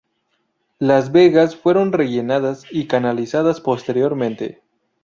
Las vegas fueron rellenadas y canalizadas, posteriormente.